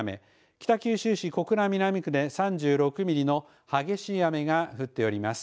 北九州市小倉南区で３６ミリの激しい雨が降っております。